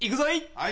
はい。